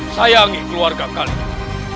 sayangi keluarga kalian